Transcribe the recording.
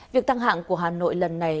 việc tăng hạng của hà nội lần này